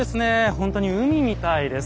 ほんとに海みたいです。